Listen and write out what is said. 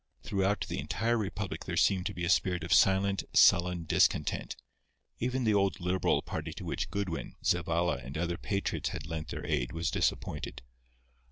Throughout the entire republic there seemed to be a spirit of silent, sullen discontent. Even the old Liberal party to which Goodwin, Zavalla and other patriots had lent their aid was disappointed.